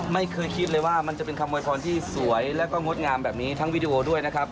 ไม่เคยคิดเลยว่ามันจะเป็นคำโวยพรที่สวยแล้วก็งดงามแบบนี้ทั้งวีดีโอด้วยนะครับ